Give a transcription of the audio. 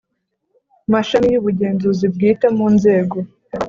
Mashami y ubugenzuzi bwite mu nzego